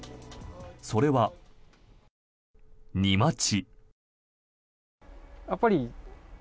それは、荷待ち。